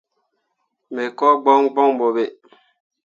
Me ko gboŋ gboŋ ɓo ɓe.